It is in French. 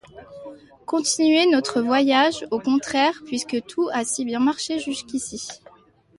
Continuer notre voyage, au contraire, puisque tout a si bien marché jusqu’ici.